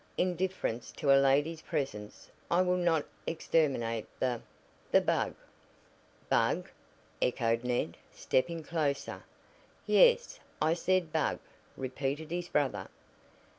"In deference to a lady's presence I will not exterminate the the bug." "Bug!" echoed Ned, stepping closer. "Yes, I said bug," repeated his brother.